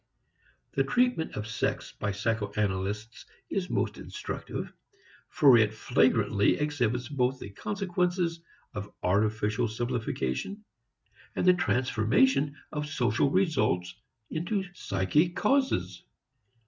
The treatment of sex by psycho analysts is most instructive, for it flagrantly exhibits both the consequences of artificial simplification and the transformation of social results into psychic causes.